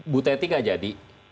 bu teti nggak jadi